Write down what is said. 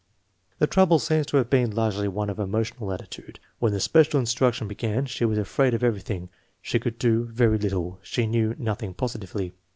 The trouble seems to have been largely one of emo tional attitude. When the special instruction began " she was afraid of everything; she could do very lit tle, she knew nothing positively.